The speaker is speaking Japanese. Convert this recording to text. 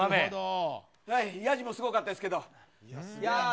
ヤジもすごかったですけど。